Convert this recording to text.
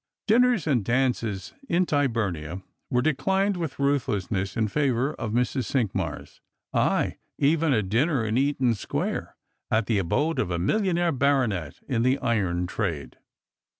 Dinners and dances in Tyburnia were declined with ruthlessnesg in favour of Mrs. Cinqmars — ay, even a dinner in Eaton square, at the abode of a millionaire baronet, in the iron trade.